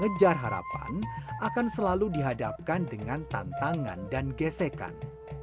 mengejar harapan akan selalu dihadapkan dengan tantangan dan gesekan